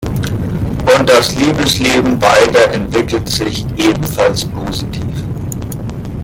Und das Liebesleben beider entwickelt sich ebenfalls positiv.